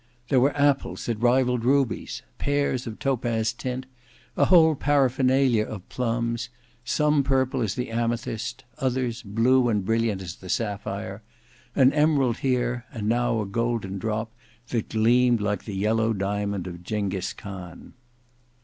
There were apples that rivalled rubies; pears of topaz tint: a whole paraphernalia of plums, some purple as the amethyst, others blue and brilliant as the sapphire; an emerald here, and now a golden drop that gleamed like the yellow diamond of Gengis Khan.